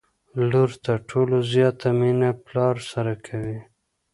لور تر ټولو زياته مينه پلار سره کوي